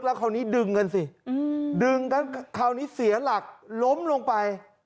แล้วคราวนี้ดึงกันสิดึงกันคราวนี้เสียหลักล้มลงไป